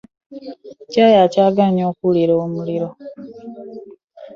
Caayi akyagaanyi okuwulira omuliro.